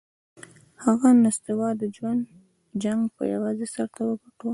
هو، نستوه د ژوند جنګ پهٔ یوازې سر وګاټهٔ!